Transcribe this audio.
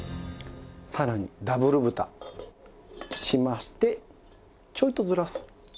さらにダブル蓋しましてちょいとずらす。